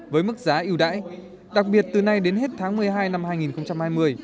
với mức giá yêu đãi đặc biệt từ nay đến hết tháng một mươi hai năm hai nghìn hai mươi